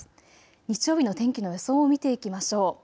日曜日の天気の予想を見ていきましょう。